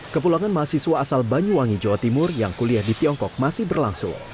kepulangan mahasiswa asal banyuwangi jawa timur yang kuliah di tiongkok masih berlangsung